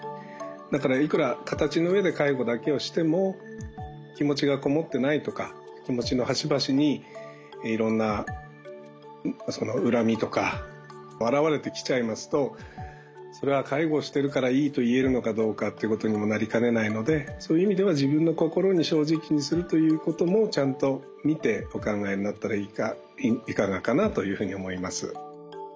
だからいくら形の上で介護だけをしても気持ちがこもってないとか気持ちの端々にいろんな恨みとか表れてきちゃいますとそれは介護をしてるからいいと言えるのかどうかということにもなりかねないのでそういう意味では自分の心に正直にするということもちゃんと見てお考えになったらいかがかなというふうに思います。